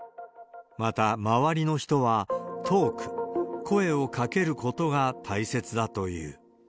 また、周りの人は、トーク、声をかけることが大切だという。